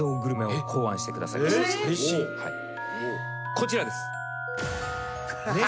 こちらです。